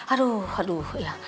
aduh aduh ya